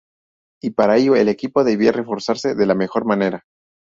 Y para ello, el equipo debía reforzarse de la mejor manera.